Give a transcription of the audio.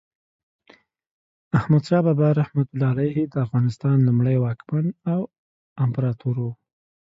احمد شاه بابا رحمة الله علیه د افغانستان لومړی واکمن او امپراتور و.